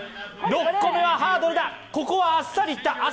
６個目はハードル、あっさりいった。